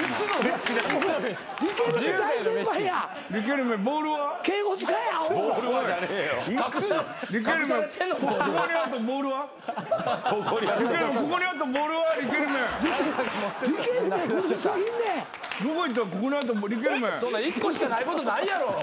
そんな１個しかないことないやろ。